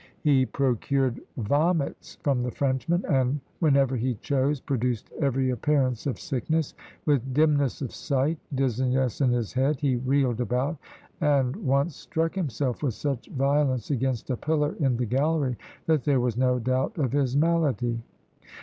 He procured vomits from the Frenchman, and, whenever he chose, produced every appearance of sickness; with dimness of sight, dizziness in his head, he reeled about, and once struck himself with such violence against a pillar in the gallery, that there was no doubt of his malady.